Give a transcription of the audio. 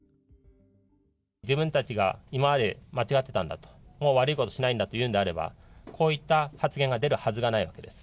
迫害を受けるほど、自分たちが今まで間違ってたんだと、もう悪いことしないんだというんであれば、こういった発言が出るはずがないわけです。